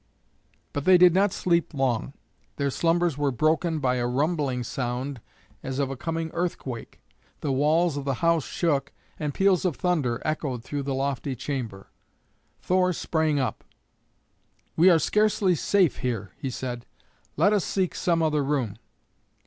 But they did not sleep long. Their slumbers were broken by a rumbling sound as of a coming earthquake; the walls of the house shook, and peals of thunder echoed through the lofty chamber. Thor sprang up. "We are scarcely safe here," he said; "let us seek some other room."